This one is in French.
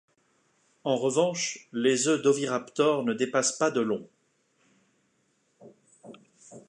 En revanche, les œufs d'Oviraptor ne dépassent pas de long.